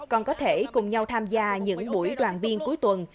còn có thể cùng nhau tham gia những buổi đoàn viên cuối tuần